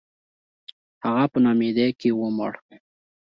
• هغه په ناامیدۍ کې ومړ.